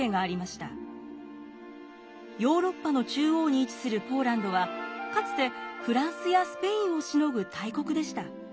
ヨーロッパの中央に位置するポーランドはかつてフランスやスペインをしのぐ大国でした。